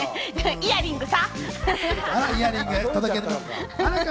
イヤリングさ。